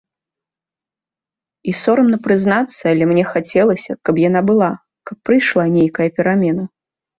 І сорамна прызнацца, але мне хацелася, каб яна была, каб прыйшла нейкая перамена.